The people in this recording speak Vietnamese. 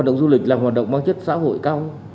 động du lịch là hoạt động mang chất xã hội cao